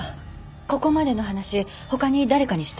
ここまでの話他に誰かにした？